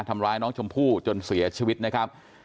ทำร้ายน้องชมพู่จนเสียชีวิตนะครับ